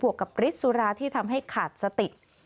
กับฤทธิสุราที่ทำให้ขาดสติ